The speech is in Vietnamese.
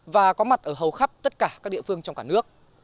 và có mặt ở hầu khắp tất cả các địa phương trong cả nước